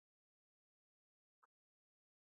ژبه د زړه احساسات بیانوي.